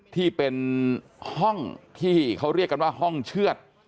ที่เป็นห้องที่เขาเรียกกันว่าห้องเชือด